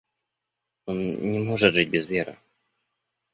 Он не может жить без веры...